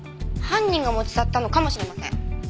犯人が持ち去ったのかもしれません。